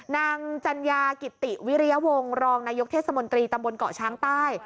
นางจัญญากิติวิริยวงศ์รองนายกเทศมนตรีตำบลเกาะช้างใต้